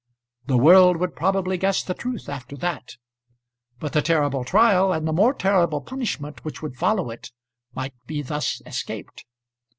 The world would probably guess the truth after that; but the terrible trial and the more terrible punishment which would follow it might be thus escaped.